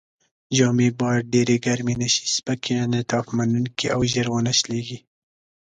جامې باید ډېرې ګرمې نه شي، سپکې، انعطاف منوونکې او ژر و نه شلېږي.